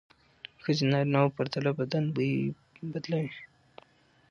ښځې د نارینه وو پرتله بدن بوی بدلوي.